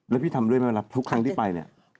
แล้วพี่ทำเรื่องอะไรล่ะทุกครั้งที่ไปเนี่ย